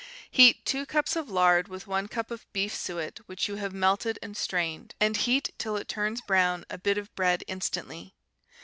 Heat two cups of lard with one cup of beef suet which you have melted and strained, and heat till it browns a bit of bread instantly.